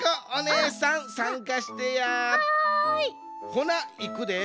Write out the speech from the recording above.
ほないくで。